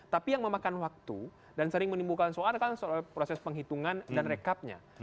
tapi yang memakan waktu dan sering menimbulkan soal adalah soal proses penghitungan dan rekapnya